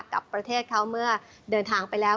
กับประเทศเขาเมื่อเดินทางไปแล้ว